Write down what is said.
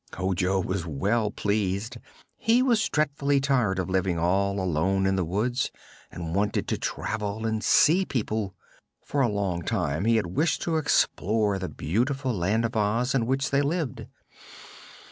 Ojo was well pleased. He was dreadfully tired of living all alone in the woods and wanted to travel and see people. For a long time he had wished to explore the beautiful Land of Oz in which they lived.